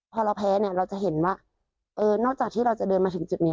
พอเราแพ้เนี่ยเราจะเห็นว่าเออนอกจากที่เราจะเดินมาถึงจุดนี้